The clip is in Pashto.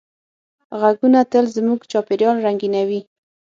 غږونه تل زموږ چاپېریال رنګینوي.